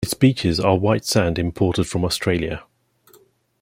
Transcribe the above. Its beaches are white sand, imported from Australia.